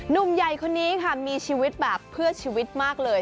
หนุ่มใหญ่คนนี้ค่ะมีชีวิตแบบเพื่อชีวิตมากเลย